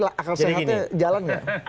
akal sehatnya jalannya